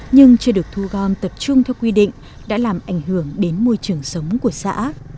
nhưng chưa được thu gom tập trung theo quy định đã làm ảnh hưởng đến môi trường sống của xã